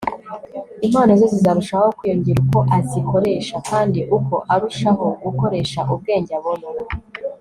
impano ze zizarushaho kwiyongera uko azikoresha; kandi uko arushaho gukoresha ubwenge abona